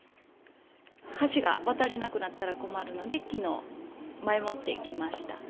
橋が渡れなくなったら困るので、きのう、前もって来ました。